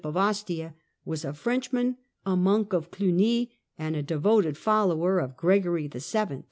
of Ostia, was a Frencliman, a monk of Cluny, and a devoted follower of Gregory VII.